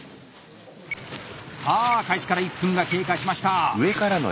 さあ開始から１分が経過しました。